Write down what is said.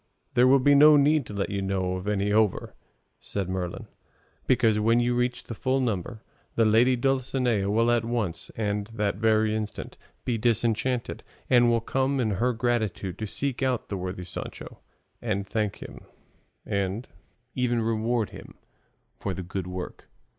"There will be no need to let you know of any over," said Merlin, "because, when you reach the full number, the lady Dulcinea will at once, and that very instant, be disenchanted, and will come in her gratitude to seek out the worthy Sancho, and thank him, and even reward him for the good work.